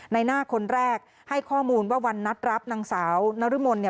ในหน้าคนแรกให้ข้อมูลว่าวันนัดรับนางสาวนรมนเนี่ย